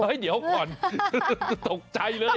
เดี๋ยวก่อนตกใจเลย